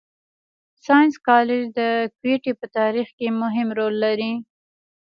ساینس کالج د کوټي په تارېخ کښي مهم رول لري.